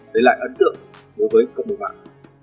thấy lại ấn tượng đối với các bộ mạng